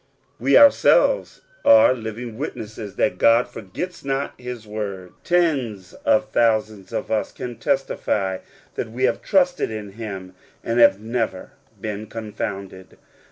We ourselves are .ving witnesses that God forgets not his word, fens of thousands of us can testify that we have trusted in him and have never been confounded.